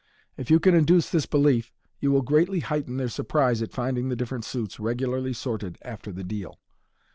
If you can induce this belief, you will greatly heighten their surprise at finding the different suits regularly sorted after the deal.